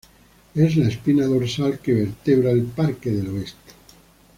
Es la espina dorsal que vertebra el parque del Oeste.